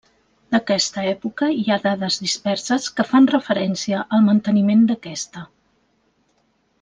D'aquesta època hi ha dades disperses que fan referència al manteniment d'aquesta.